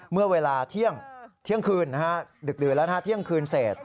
เมื่อเวลาเที่ยงคืนดึกดื่นแล้วเที่ยงคืนเสร็จ